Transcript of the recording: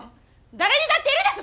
誰にだっているでしょ